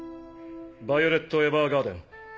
ヴァイオレット・エヴァーガーデン。